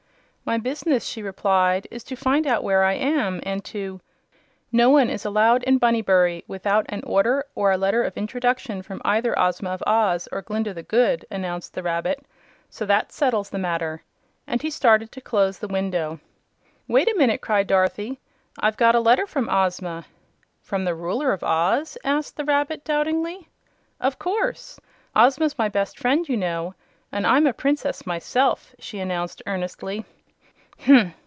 "My business," she replied, "is to find out where I am, and to " "No one is allowed in Bunnybury without an order or a letter of introduction from either Ozma of Oz or Glinda the Good," announced the rabbit; "so that settles the matter," and he started to close the window. "Wait a minute!" cried Dorothy. "I've got a letter from Ozma." "From the Ruler of Oz?" asked the rabbit, doubtingly. "Of course. Ozma's my best friend, you know; and I'm a Princess myself," she announced, earnestly.